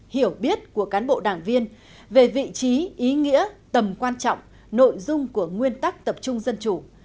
hiểu biết của cán bộ đảng viên về vị trí ý nghĩa tầm quan trọng nội dung của nguyên tắc tập trung dân chủ